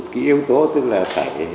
cái yếu tố tức là phải